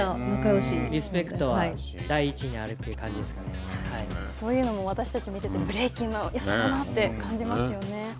リスペクトは第一にあるというそういうのも私たち、見ていても、ブレイキンのよさかなと感じますよね。